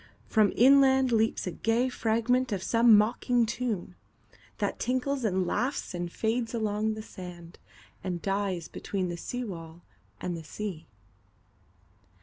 From inlandLeaps a gay fragment of some mocking tune, That tinkles and laughs and fades along the sand, And dies between the seawall and the sea.